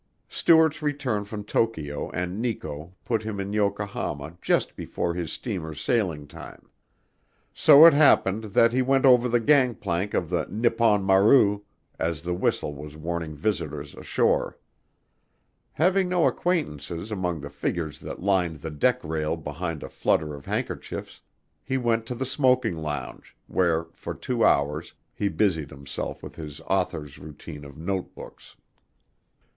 Stuart's return from Tokyo and Nikko put him in Yokohama just before his steamer's sailing time. So it happened that he went over the gang plank of the Nippon Maru as the whistle was warning visitors ashore. Having no acquaintances among the figures that lined the deck rail behind a flutter of handkerchiefs, he went to the smoking lounge where for two hours he busied himself with his author's routine of note books.